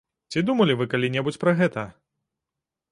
Ці думалі вы калі-небудзь пра гэта?